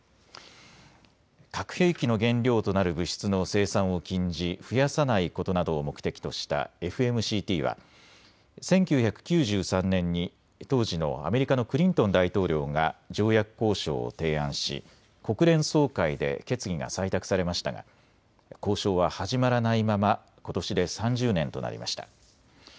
核兵器の原料となる物質の生産を禁じ、増やさないことなどを目的としたＦＭＣＴは１９９３年に当時のアメリカのクリントン大統領が条約交渉を提案し、国連総会で決議が採択されましたが交渉は始まらないままことしで３０年となりました。